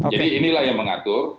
jadi inilah yang mengatur